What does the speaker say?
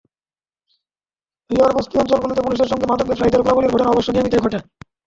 রিওর বস্তি অঞ্চলগুলোতে পুলিশের সঙ্গে মাদক ব্যবসায়ীদের গোলাগুলির ঘটনা অবশ্য নিয়মিতই ঘটে।